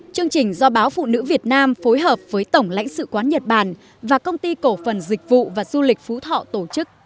chương trình do báo phụ nữ việt nam phối hợp với tổng lãnh sự quán nhật bản và công ty cổ phần dịch vụ và du lịch phú thọ tổ chức